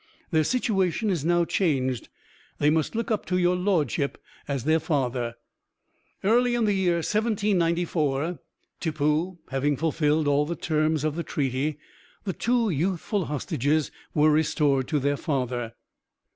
Their situation is now changed; they must look up to your lordship as their father." Early in the year 1794, Tippoo having fulfilled all the terms of the treaty, the two youthful hostages were restored to their father.